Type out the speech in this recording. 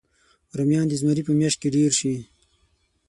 رومیان د زمري په میاشت کې ډېر شي